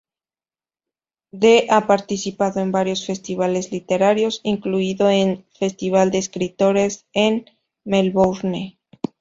De ha participado en varios festivales literarios, incluido el Festival de Escritores en Melbourne.